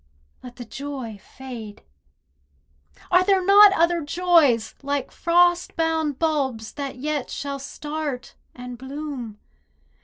Let the joy fade. Are there not other joys, Like frost bound bulbs, that yet shall start and bloom?